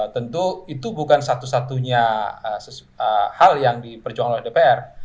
tentu itu bukan satu satunya hal yang diperjuangkan oleh dpr